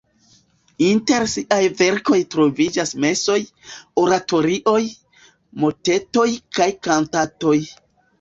Inter siaj verkoj troviĝas mesoj, oratorioj, motetoj kaj kantatoj.